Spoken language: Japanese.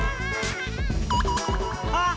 あっ！